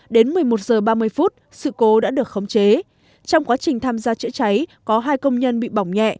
đến một mươi một h ba mươi sự cố đã được khống chế trong quá trình tham gia chữa cháy có hai công nhân bị bỏng nhẹ